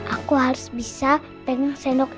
aku harus bisa pegang sendok